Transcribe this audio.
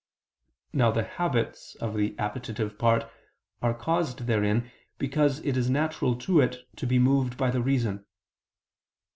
Now the habits of the appetitive part are caused therein because it is natural to it to be moved by the reason.